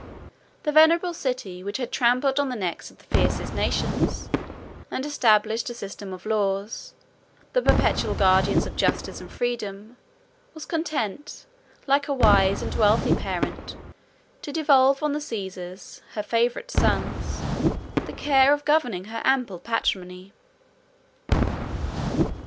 The venerable city, which had trampled on the necks of the fiercest nations, and established a system of laws, the perpetual guardians of justice and freedom, was content, like a wise and wealthy parent, to devolve on the Caesars, her favorite sons, the care of governing her ample patrimony.